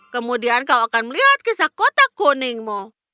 kemudian kau akan melihat kisah kotak kuningmu